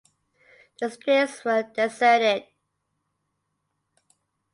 The streets were deserted.